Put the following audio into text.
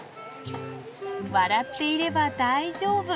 笑っていれば大丈夫。